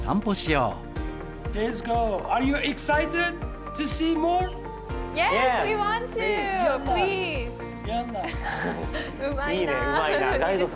うまい。